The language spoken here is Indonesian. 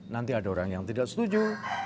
nanti ada orang yang tidak setuju